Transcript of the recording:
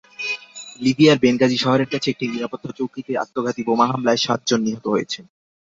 লিবিয়ার বেনগাজি শহরের কাছে একটি নিরাপত্তাচৌকিতে আত্মঘাতী বোমা হামলায় সাতজন নিহত হয়েছেন।